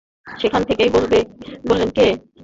সেখান থেকেই বললেন, কে?